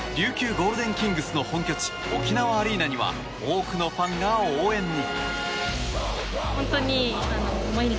ゴールデンキングスの本拠地沖縄アリーナには多くのファンが応援に。